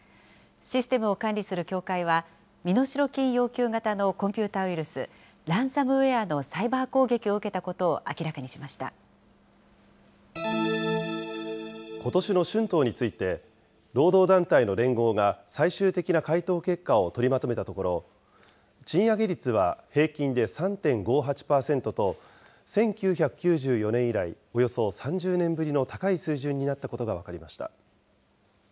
システムを管理する協会は、身代金要求型のコンピューターウイルス、ランサムウエアのサイバー攻撃を受けたことを明らかにしましことしの春闘について、労働団体の連合が、最終的な回答結果を取りまとめたところ、賃上げ率は平均で３．５８％と、１９９４年以来、およそ３０年ぶりの高い水準になったことが分かりました。